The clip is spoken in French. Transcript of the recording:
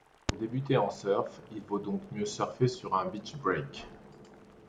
Pour débuter en surf, il vaut donc mieux surfer sur un beach-break.